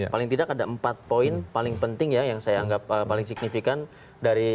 paling tidak ada empat poin paling penting ya yang saya anggap paling signifikan dari